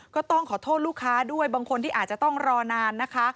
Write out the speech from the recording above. ก็ต้องขอโทษลูกค้าด้วยบางคนที่อาจจะต้องรอนานนะคะ